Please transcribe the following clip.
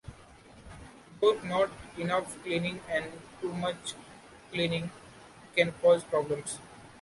Both not enough cleaning and too much cleaning can cause problems.